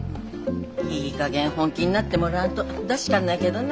いいかげん本気になってもらわんとだしかんのやけどな。